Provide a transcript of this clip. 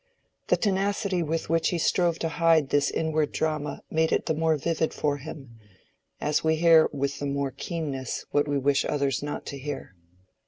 The tenacity with which he strove to hide this inward drama made it the more vivid for him; as we hear with the more keenness what we wish others not to hear.